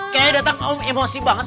kayaknya datang emosi banget